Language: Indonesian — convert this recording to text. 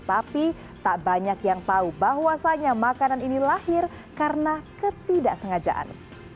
tapi tak banyak yang tahu bahwasannya makanan ini lahir karena ketidaksengajaan